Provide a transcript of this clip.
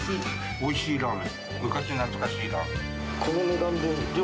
おいしいラーメン。